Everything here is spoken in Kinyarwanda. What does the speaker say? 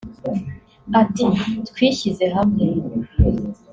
Ati “Twishyize hamwe